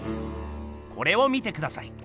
これを見てください。